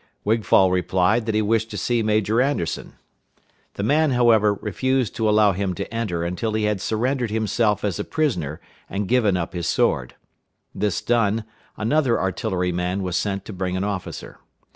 Wigfall replied that he wished to see Major Anderson. The man, however, refused to allow him to enter until he had surrendered himself as a prisoner, and given up his sword. This done, another artillery man was sent to bring an officer.